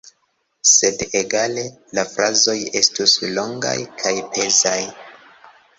Sed egale, la frazoj estus longaj kaj pezaj.